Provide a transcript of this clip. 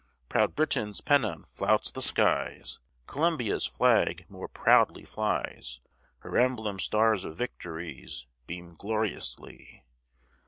Proud Britain's pennon flouts the skies: Columbia's flag more proudly flies, Her emblem stars of victories Beam gloriously.